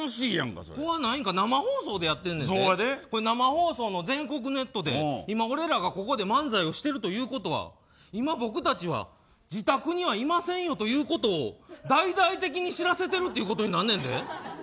生放送の全国ネットで今、俺らがここで漫才をしてるということは今、僕たちは自宅にはいませんよということを大々的に知らせているっていうことになんねんで？